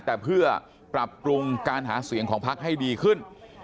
แต่เพื่อปรับปรุงการหาเสียงของพักให้ดีขึ้น